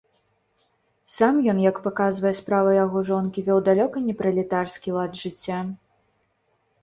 Сам ён, як паказвае справа яго жонкі, вёў далёка не пралетарскі лад жыцця.